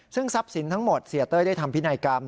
ซึ่งทรัพย์สินทั้งหมดเสียเต้ยได้ทำพินัยกรรม